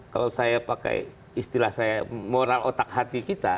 kalau saya pakai istilah saya moral otak hati kita